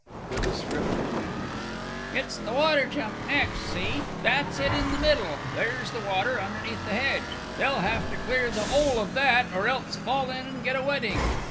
THE DESCRIPTIVE MAN. It's the water jump next see; that's it in the middle; there's the water, underneath the hedge; they'll have to clear the 'ole of that or else fall in and get a wetting.